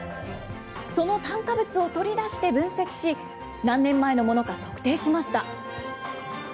その炭化物を取り出して分析し、何年前のものか測定しました。